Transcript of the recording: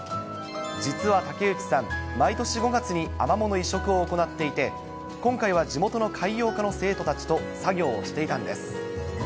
実は竹内さん、毎年５月にアマモの移植を行っていて、今回は地元の海洋科の生徒たちと作業をしていたんです。